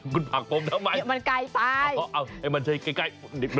คุณผักผมทำไมเอาไอ้มันใกล้